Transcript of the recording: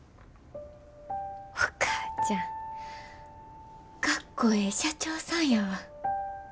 お母ちゃんかっこええ社長さんやわ。